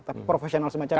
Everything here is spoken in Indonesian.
tapi profesional semacamnya